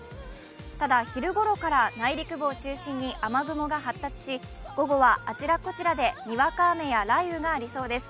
ただ昼ごろから内陸部を中心に雨雲が発達し午後はあちらこちらでにわか雨や雷雨がありそうです。